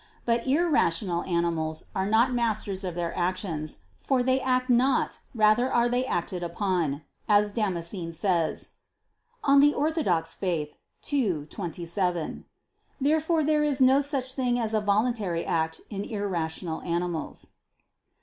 But irrational animals are not masters of their actions; for "they act not; rather are they acted upon," as Damascene says (De Fide Orth. ii, 27). Therefore there is no such thing as a voluntary act in irrational animals.